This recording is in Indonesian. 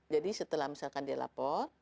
jadi setelah misalkan dia lapor